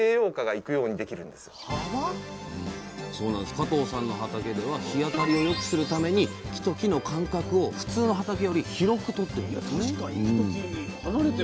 加藤さんの畑では日当たりをよくするために木と木の間隔を普通の畑より広くとっているんですね